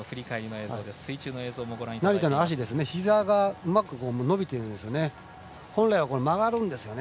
成田の足、ひざがうまく伸びているんですよね。